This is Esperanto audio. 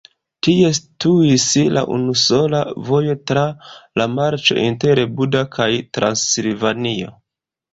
Tie situis la unusola vojo tra la marĉo inter Buda kaj Transilvanio.